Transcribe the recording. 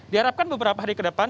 diharapkan beberapa hari ke depan